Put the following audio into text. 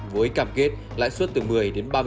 với cam kết lãi suất từ một mươi đến ba mươi